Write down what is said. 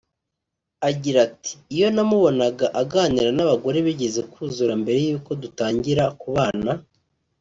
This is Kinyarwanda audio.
Agira ati “Iyo namubonaga aganira n’abagore bigeze kuzura mbere y’uko dutangira kubana